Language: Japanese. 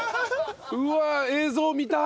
うわあ映像見たい。